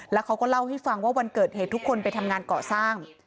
แล้วเขาก็เล่าให้ฟังว่าวันเกิดเหตุทุกคนไปทำงานก่อสร้าง